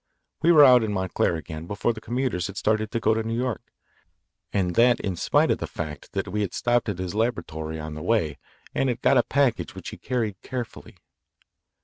We were out in Montclair again before the commuters had started to go to New York, and that in spite of the fact that we had stopped at his laboratory on the way and had got a package which he carried carefully.